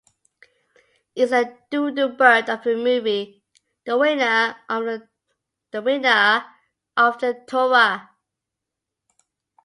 It's a dodo-bird of a movie, the winner of the Tora!